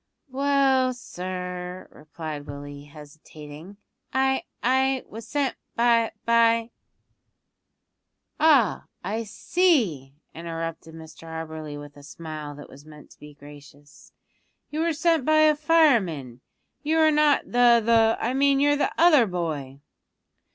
"Well, sir," replied Willie, hesitating, "I I was sent by by " "Ah, I see," interrupted Mr Auberly with a smile that was meant to be gracious, "you were sent by a fireman; you are not the the I mean you're the other boy."